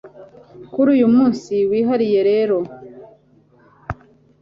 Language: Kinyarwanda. kuri uyu munsi wihariye rero